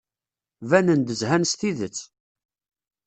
Banen-d zhan s tidet.